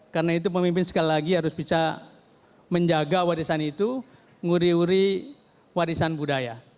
karena itu pemimpin sekali lagi harus bisa menjaga warisan itu nguri nguri warisan budaya